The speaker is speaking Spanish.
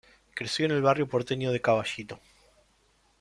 Creció en el barrio porteño de Caballito.